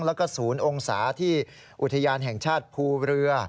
แล้วก็๐องศาที่อุทยานแห่งชาติภูเรือ